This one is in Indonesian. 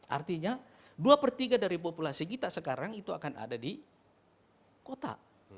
artinya dua per tiga dari populasi kita sekarang itu akan ada di kota